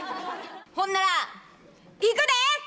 ほんならいくで！